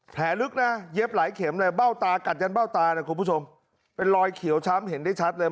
แผลลึกนะเย็บหลายเข็มเลยเป็นรอยเขียวช้ำเห็นได้ชัดเลย